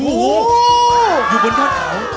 อยู่บนชาติเขา